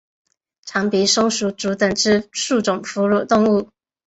长鼻松鼠属等之数种哺乳动物。